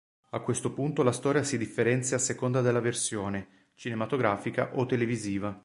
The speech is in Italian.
A questo punto la storia si differenzia a seconda della versione, cinematografica o televisiva.